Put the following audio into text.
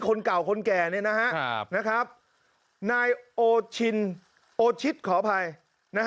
คนเก่าคนแก่เนี่ยนะครับนะครับ